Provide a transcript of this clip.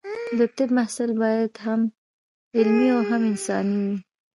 د طب محصل باید هم علمي او هم انساني وي.